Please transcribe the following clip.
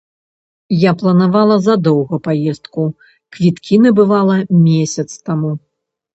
Я планавала задоўга паездку, квіткі набывала месяц таму.